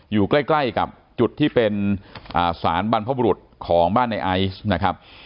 อยู่ใกล้กับจุดที่เป็นสารบรรพบุรุษของบ้านในไอซ์นะครับ